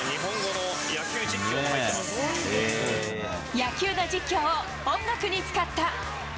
野球の実況を音楽に使った。